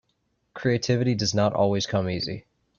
Creativity does not always come easy.